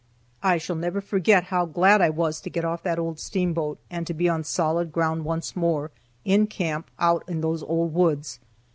I shall never forget how glad I was to get off that old steamboat and be on solid ground once more, in camp out in those old woods.